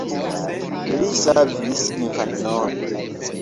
Li savis infanon.